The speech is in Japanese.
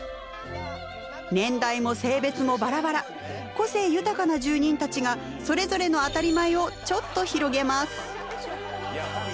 年代も性別もバラバラ個性豊かな住人たちがそれぞれの当たり前をちょっと広げます。